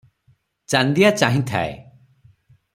Chandia ଚାହିଁଥାଏ ।